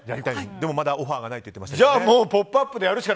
でも、まだオファーがないとおっしゃっていました。